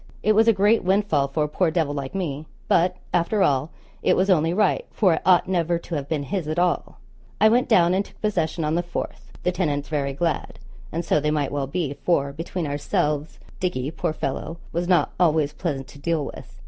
It was a great windfall for a poor devil like me; but, after all, it was only right, for it ought never to have been his at all. I went down and took possession on the 4th, the tenants very glad, and so they might well be; for, between ourselves, Dickie, poor fellow, was not always pleasant to deal with.